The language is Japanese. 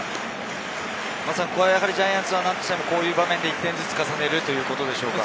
ここはジャイアンツは何としても１点ずつ重ねるということでしょうか。